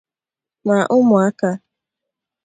ma ụmụaka